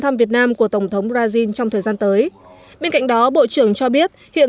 thăm việt nam của tổng thống brazil trong thời gian tới bên cạnh đó bộ trưởng cho biết hiện